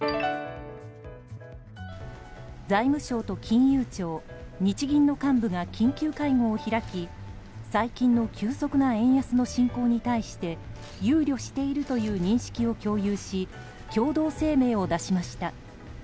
財務省と金融庁日銀の幹部が緊急会合を開き最近の急速な円安の進行に対して憂慮しているという認識を共有し共同声明を出しました。